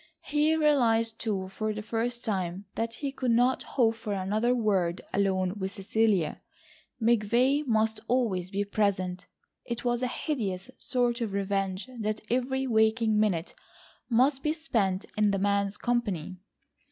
He realised too, for the first time, that he could not hope for another word alone with Cecilia. McVay must always be present. It was a hideous sort of revenge that every waking minute must be spent in the man's company.